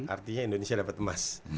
artinya indonesia dapat emas